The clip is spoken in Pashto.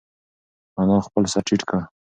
انا خپل سر ټیټ کړ.